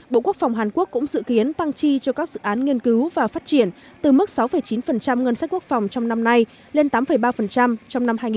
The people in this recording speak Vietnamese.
bộ quốc phòng hàn quốc cũng dự kiến tăng chi cho các dự án nghiên cứu và phát triển từ mức sáu chín ngân sách quốc phòng trong năm nay lên tám ba trong năm hai nghìn hai mươi